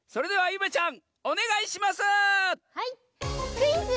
「クイズ！